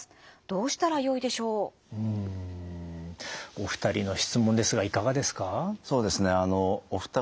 お二人の質問ですがいかがですか？